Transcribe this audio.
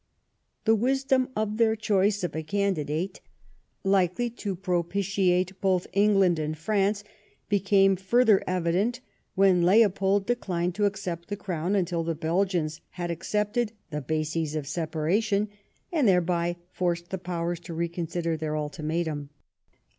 The wisdom of their choice of a candidate likely to propitiate both England and France became further evident when Leopold declined to accept the crown until the Belgians had accepted the bases of separation, and thereby forced the Powers to reconsider their ultimatum.